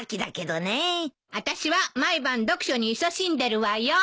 あたしは毎晩読書にいそしんでるわよ。